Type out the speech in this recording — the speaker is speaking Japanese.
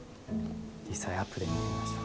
実際アップで見てみましょう。